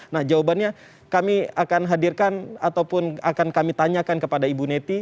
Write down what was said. nah jawabannya kami akan hadirkan ataupun akan kami tanyakan kepada ibu neti